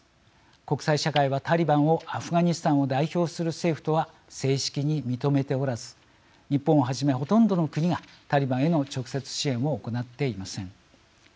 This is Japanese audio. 国際社会はタリバンをアフガニスタンを代表する政府とは正式に認めておらず日本をはじめ、ほとんどの国がタリバンへの直接支援を行っていません。